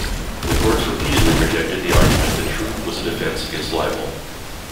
The courts repeatedly rejected the argument that truth was a defense against libel.